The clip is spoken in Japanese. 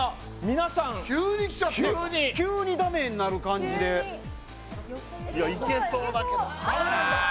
皆さん急に急にダメになる感じで・いけそうだけどあーっ